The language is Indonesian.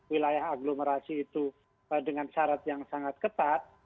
wilayah aglomerasi itu dengan syarat yang sangat ketat